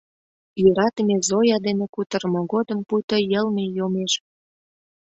Йӧратыме Зоя дене кутырымо годым пуйто йылме йомеш.